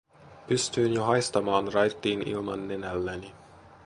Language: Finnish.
Pystyin jo haistamaan raittiin ilman nenälläni.